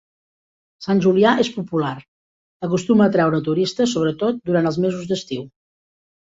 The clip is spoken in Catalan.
Sant Julià és popular, acostuma a atraure turistes, sobretot durant els mesos d'estiu.